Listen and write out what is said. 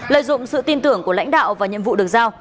lợi dụng sự tin tưởng của lãnh đạo và nhiệm vụ được giao